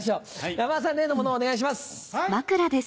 山田さん例のものをお願いします。